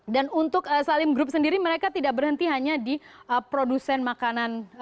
dan untuk salim group sendiri mereka tidak berhenti hanya di produsen makanan